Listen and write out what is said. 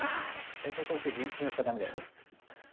大体こういう人信用しちゃダメだよね。